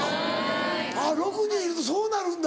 ６人いるとそうなるんだ。